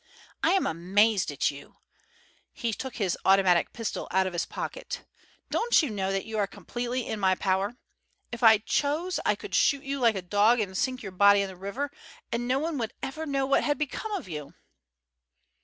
I am amazed at you." He took his automatic pistol out of his pocket. "Don't you know that you are completely in my power? If I chose I could shoot you like a dog and sink your body in the river, and no one would ever know what had become of you."